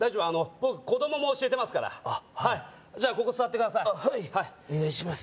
僕子供も教えてますからじゃあここ座ってくださいあっはいお願いします